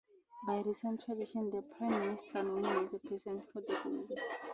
By recent tradition, the Prime Minister nominates a person for the role.